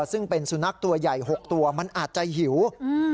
ซึ่งเป็นสุนัขตัวใหญ่หกตัวมันอาจจะหิวอืม